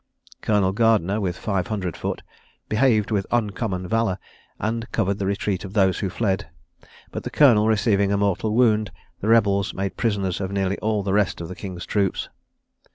Colonel Gardiner, with five hundred foot, behaved with uncommon valour, and covered the retreat of those who fled; but the colonel receiving a mortal wound, the rebels made prisoners of nearly all the rest of the king's troops.